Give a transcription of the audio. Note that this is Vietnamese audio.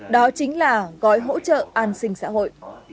đó chính là gói hỗ trợ an sinh xã hội